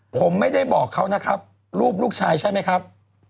ผมไม่ได้บอกเขานะครับรูปลูกชายใช่ไหมครับ